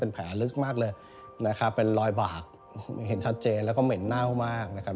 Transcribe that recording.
แผลลึกมากเลยนะครับเป็นรอยบากเห็นชัดเจนแล้วก็เหม็นเน่ามากนะครับ